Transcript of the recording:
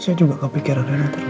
saya juga kepikiran rena terus